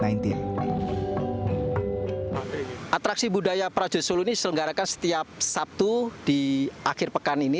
atraksi budaya prajo solo ini selenggarakan setiap sabtu di akhir pekan ini